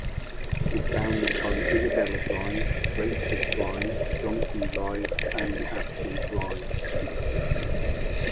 It is bounded by Isabella Drive, Drakeford Drive, Johnson Drive and Ashley Drive.